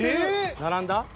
並んだ？